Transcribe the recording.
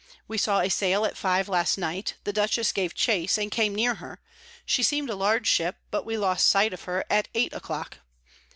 We saw a Sail at five last night, the Dutchess gave chase, and came near her; she seem'd a large Ship, but we lost sight of her at eight a clock.